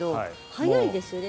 早いですよね。